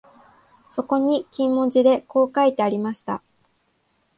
そこに金文字でこう書いてありました